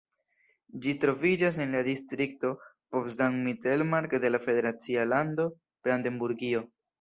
Ĝi troviĝas en la distrikto Potsdam-Mittelmark de la federacia lando Brandenburgio.